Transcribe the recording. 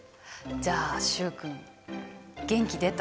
じゃあ習君元気出た？